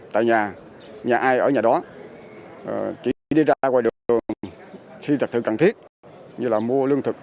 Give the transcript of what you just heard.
tại nhà nhà ai ở nhà đó chỉ đi ra ngoài đường khi thật sự cần thiết như là mua lương thực